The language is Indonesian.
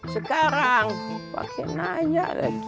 sekarang pakai nanya lagi